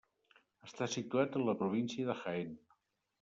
Està situat en la província de Jaén.